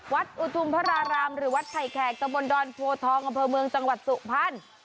วัดอุทุมพระรารามหรือวัดไผ่แขกตะบนดอนโพทองอำเภอเมืองจังหวัดสุพรรณ